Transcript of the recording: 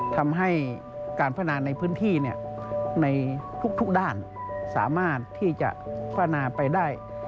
ทำให้การพนาในพื้นที่ในทุกด้านสามารถที่จะพัฒนาไปได้